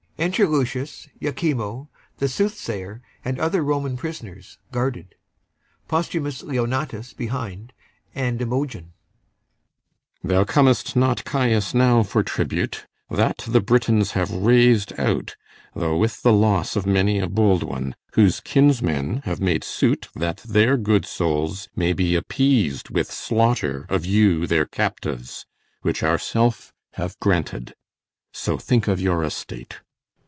Enter LUCIUS, IACHIMO, the SOOTHSAYER, and other Roman prisoners, guarded; POSTHUMUS behind, and IMOGEN Thou com'st not, Caius, now for tribute; that The Britons have raz'd out, though with the loss Of many a bold one, whose kinsmen have made suit That their good souls may be appeas'd with slaughter Of you their captives, which ourself have granted; So think of your estate.